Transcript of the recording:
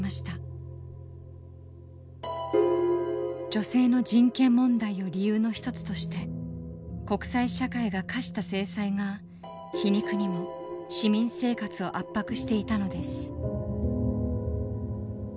女性の人権問題を理由の一つとして国際社会が科した制裁が皮肉にも市民生活を圧迫していたのです。